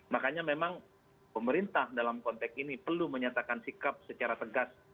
makanya memang pemerintah dalam konteks ini perlu menyatakan sikap secara tegas